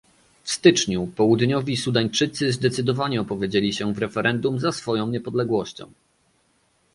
W styczniu Południowi Sudańczycy zdecydowanie opowiedzieli się w referendum za swoją niepodległością